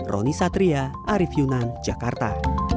roni satria arief yunan jakarta